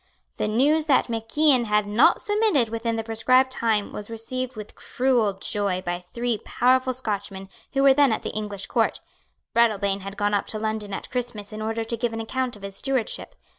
The news that Mac Ian had not submitted within the prescribed time was received with cruel joy by three powerful Scotchmen who were then at the English Court. Breadalbane had gone up to London at Christmas in order to give an account of his stewardship.